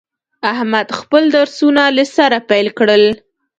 احمد خپل درسونه له سره پیل کړل.